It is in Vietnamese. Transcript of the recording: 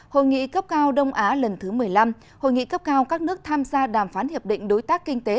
hội nghị cấp cao đông á lần thứ một mươi năm hội nghị cấp cao các nước tham gia đàm phán hiệp định đối tác kinh tế